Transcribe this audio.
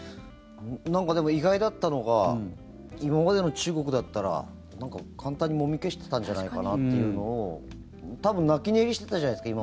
なんか、でも意外だったのが今までの中国だったら簡単にもみ消してたんじゃないかなというのを多分泣き寝入りしてたじゃないですか